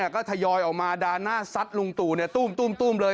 ก็ทยอยออกมาด่าหน้าซัดลุงตู่ตุ้มเลย